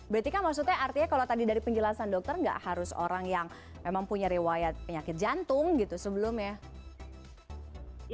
berarti kan maksudnya artinya kalau tadi dari penjelasan dokter nggak harus orang yang memang punya riwayat penyakit jantung gitu sebelumnya